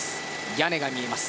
屋根が見えます。